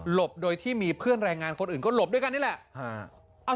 บโดยที่มีเพื่อนแรงงานคนอื่นก็หลบด้วยกันนี่แหละ